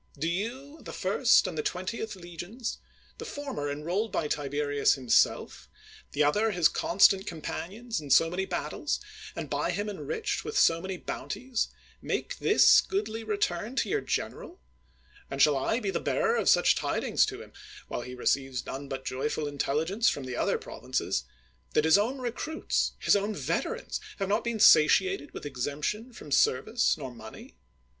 Do you, the first and the twentieth legions, the former enrolled by Tiberius himself, the other his constant companions in so many battles, and by him enriched with so many bounties, make this goodly return to your general ? And shall I be the bearer of such tidings to him — while he receives none but joyful intelligence from the other provinces — that his own recruits, his own veterans, have not been satiated with exemption from service nor money?